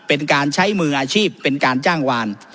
เป็นการใช้มืออาชีพเป็นการจ้างวาน